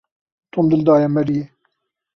Tom dil daye Maryê.